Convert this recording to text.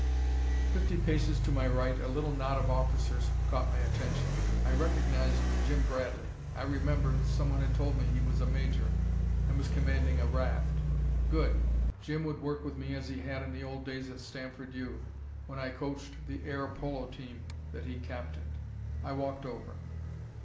Fifty paces to my right a little knot of officers caught my attention. I recognized Jim Bradley. I remembered, someone had told me he was a major, and was commanding a raft. Good. Jim would work with me as he had in the old days at Stanford U., when I coached the air polo team that he captained. I walked over.